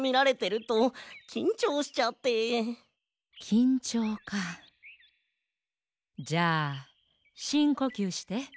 きんちょうかじゃあしんこきゅうして。